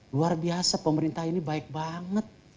luar biasa pemerintah ini baik banget